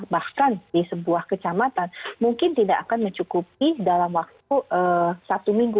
bahkan di sebuah kecamatan mungkin tidak akan mencukupi dalam waktu satu minggu